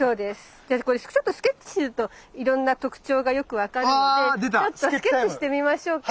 じゃあこれちょっとスケッチするといろんな特徴がよく分かるのでちょっとスケッチしてみましょうか。